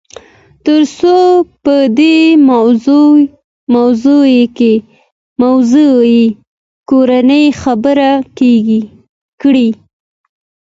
تر څو په دې موضوع يې کورنۍ خبره کړي.